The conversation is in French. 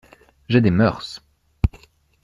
J’ai des mœurs.